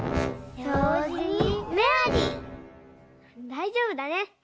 だいじょうぶだね。